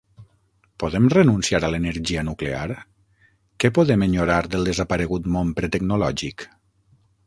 Podem renunciar a l’energia nuclear? Què podem enyorar del desaparegut món pretecnològic?